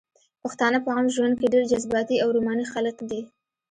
پښتانه په عام ژوند کښې ډېر جذباتي او روماني خلق دي